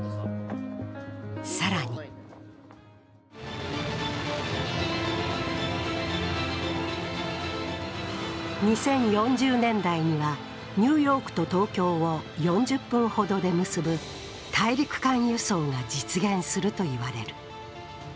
更に２０４０年代にはニューヨークと東京を４０分ほどで結ぶ大陸間輸送が実現するといわれる。